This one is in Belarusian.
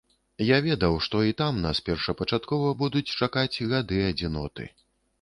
Я ведаў, што і там нас першапачаткова будуць чакаць гады адзіноты.